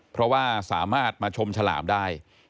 เพราะว่าสามารถมาชมฉลามได้